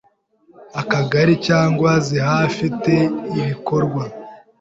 Akagari cyangwa zihafi te ibikorwa.